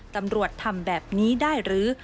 ตำรวจทำแบบนี้ได้หรือ